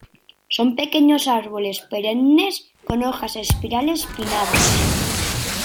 Son pequeños árboles perennes con hojas espirales pinnadas.